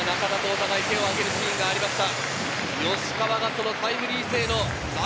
中田とお互い手を上げるシーンがありました。